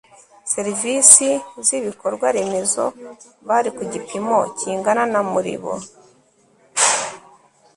serivisi z ibikorwaremezo bari ku gipimo kingana na muribo